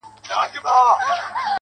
خدای به د وطن له مخه ژر ورک کړي دا شر.